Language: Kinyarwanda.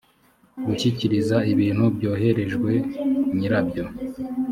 gushyikiriza ibintu byoherejwe nyirabyo